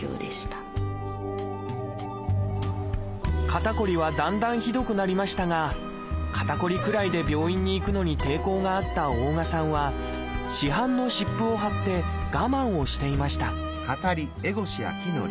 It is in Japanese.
肩こりはだんだんひどくなりましたが肩こりくらいで病院に行くのに抵抗があった大我さんは市販の湿布を貼って我慢をしていました